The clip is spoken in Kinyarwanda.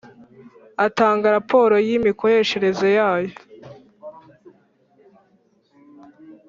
atanga raporo y imikoreshereze yayo